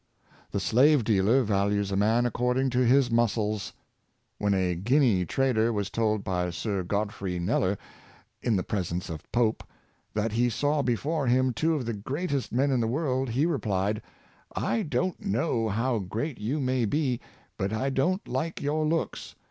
The slave dealer values a man according to his muscles. When a Guinea trader was told by Sir Godfrey Knel ler, in the presence of Pope, that he saw before him two of the greatest men in the world, he replied: "I don't know how great you may be, but I don't like your looks.